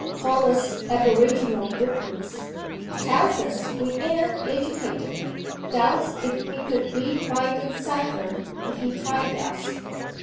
Calls us aboriginal Britons. Tells us we ain't educated. Doubts if we could read, write, and cipher, if he tried us.